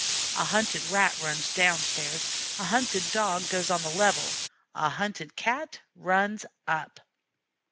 A hunted Rat runs down stairs, a hunted Dog goes on the level, a hunted Cat runs up.